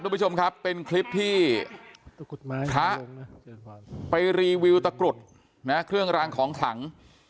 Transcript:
ทุกชมครับเป็นคลิปที่ไปรีวิวตระกรุดเครื่องรางของถัง